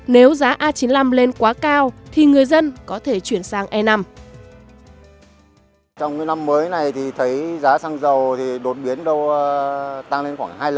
nếu giá a chín mươi năm lên quá cao thì người dân có thể chuyển sang e năm